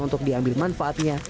untuk diambil manfaatnya